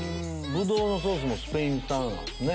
ブドウのソースもスペイン産なんですね。